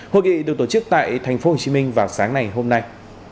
hội nghị được tổ chức tại tp hcm vào sáng ngày hôm nay